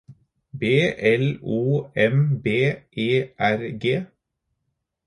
B L O M B E R G